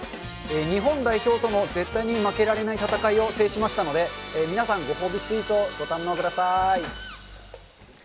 日本代表との絶対に負けられない戦いを制しましたので、皆さん、ご褒美スイーツをご堪能ください。